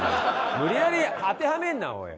無理やり当てはめるなおい。